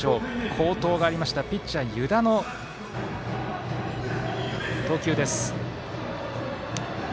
好投がありましたピッチャー、湯田の投球です。